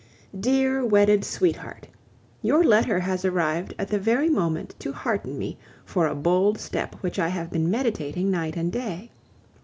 Dear wedded sweetheart, Your letter has arrived at the very moment to hearten me for a bold step which I have been meditating night and day.